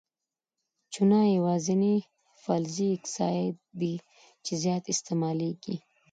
چونه یوازیني فلزي اکساید دی چې زیات استعمالیږي.